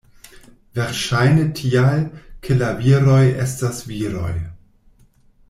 Verŝajne tial, ke la viroj estas viroj.